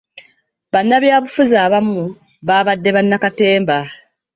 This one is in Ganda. Bannabyabufuzi abamu babadde bannakatemba.